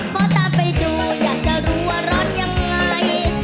ขอตามไปดูอยากจะรู้ว่าร้อนยังไง